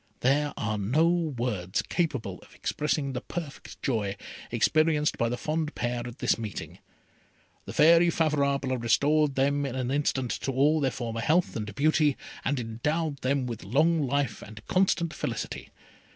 There are no words capable of expressing the perfect joy experienced by the fond pair at this meeting. The Fairy Favourable restored them in an instant to all their former health and beauty, and endowed them with long life and constant felicity.